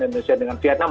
indonesia dengan vietnam